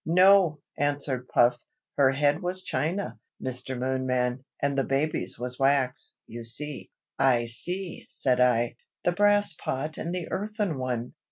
"No!" answered Puff. "Her head was china, Mr. Moonman, and the baby's was wax, you see." "I see!" said I. "The brass pot and the earthen one!"